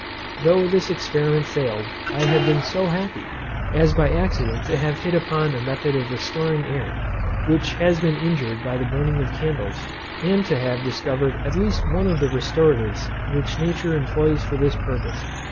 Though this experiment failed, I have been so happy, as by accident to have hit upon a method of restoring air, which has been injured by the burning of candles, and to have discovered at least one of the restoratives which nature employs for this purpose.